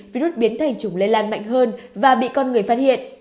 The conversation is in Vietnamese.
virus biến thành chủng lây lan mạnh hơn và bị con người phát hiện